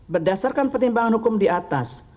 berdasarkan pertimbangan hukum di atas